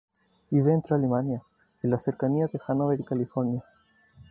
Vive entre Alemania, en las cercanías de Hanover y California.